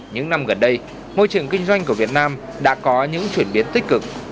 những năm gần đây môi trường kinh doanh của việt nam đã có những chuyển biến tích cực